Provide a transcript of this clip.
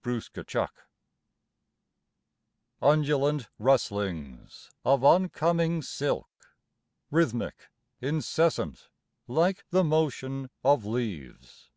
PROMENADE Undulant rustlings, Of oncoming silk, Rhythmic, incessant, Like the motion of leaves...